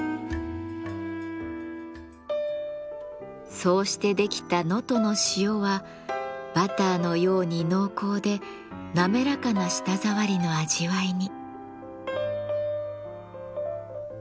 そうして出来た能登の塩はバターのように濃厚でなめらかな舌触りの味わいに。